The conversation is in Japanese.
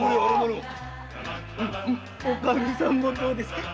おかみさんもどうです？